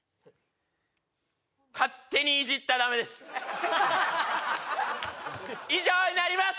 勝手にいじったらダメです以上になります